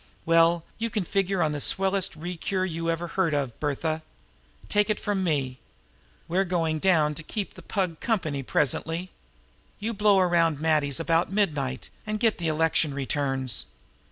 Well, you can figure on the swellest rest cure you ever heard of, Bertha. Take it from me! We're going down to keep the Pug company presently. You blow around to Matty's about midnight and get the election returns.